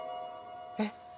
えっ？